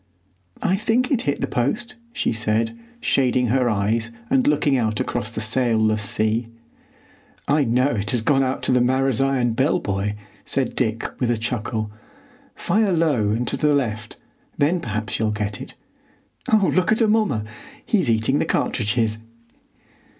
"I think it hit the post," she said, shading her eyes and looking out across the sailless sea. "I know it has gone out to the Marazion Bell buoy," said Dick, with a chuckle. "Fire low and to the left; then perhaps you'll get it. Oh, look at Amomma!—he's eating the cartridges!"